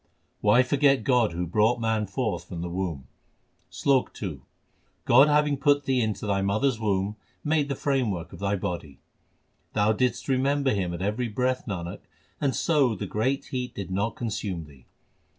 Why forget God who brought man forth from the womb ? SLOK II God having put thee into thy mother s womb, made the framework of thy body. Thou didst remember Him at every breath, Nanak, and so the great heat did not consume thee.